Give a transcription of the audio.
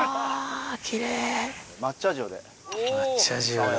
抹茶塩や。